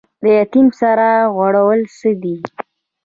د یتیم سر غوړول څه دي؟